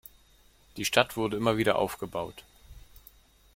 Die Stadt wurde immer wieder aufgebaut.